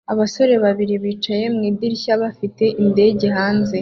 Abasore babiri bicaye mu idirishya bafite indege hanze